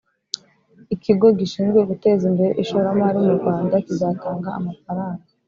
ikigo gishinzwe guteza imbere ishoramari mu rwanda kizatanga amafaranga